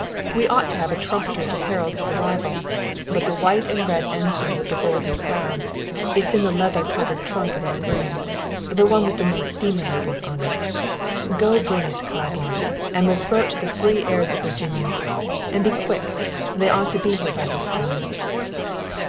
We ought to have a trumpeter to herald his arrival but the white and red ensign with the golden crown it's in the leather covered trunk in my room the one with the most steamer labels on it go bring it, Claiborne, and we'll throw it to the free airs of Virginia. And be quick they ought to be here by this time!"